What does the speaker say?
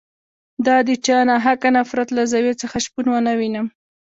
د چا د ناحقه نفرت له زاویې څخه شپون ونه وینم.